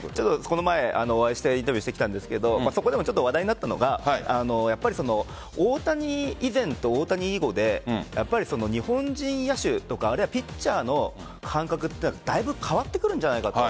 この前、お会いしてインタビューしてきたんですけどそこでも話題になったのが大谷以前と大谷以後で日本人野手とかピッチャーの感覚がだいぶ変わってくるんじゃないかと。